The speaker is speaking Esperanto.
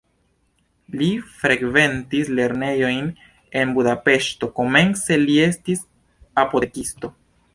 Li frekventis lernejojn en Budapeŝto, komence li estis apotekisto.